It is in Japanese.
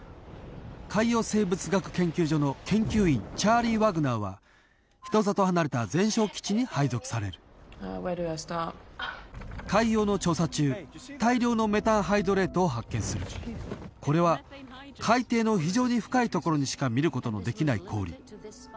海洋生物学研究所の研究員チャーリー・ワグナーは人里離れた前哨基地に配属される海洋の調査中大量のメタンハイドレートを発見するこれは海底の非常に深い所にしか見ることのできない氷